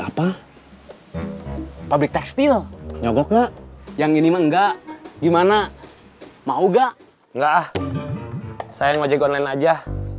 apa pabrik tekstil nyogok nggak yang ini mah enggak gimana mau gak ah saya ngojek online aja